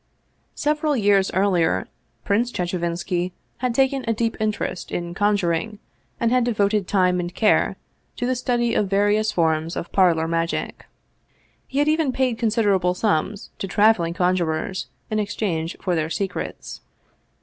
Several years earlier Prince Chechevinski had taken a deep interest in conjuring and had devoted time and care to the study of various forms of parlor magic. He had even paid considerable sums to traveling conjurers in ex change for their secrets.